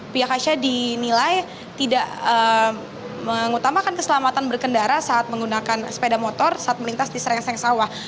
pihak hasyah dinilai tidak mengutamakan keselamatan berkendara saat menggunakan sepeda motor saat melintas di serengseng sawah